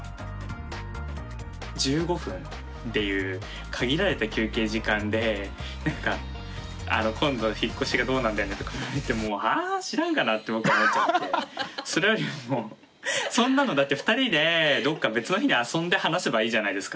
１５分っていう限られた休憩時間で「今度引っ越しがどうなんだよね」とか言われてもはあ知らんがなって僕は思っちゃってそれよりもそんなのだって２人でどっか別の日に遊んで話せばいいじゃないですか。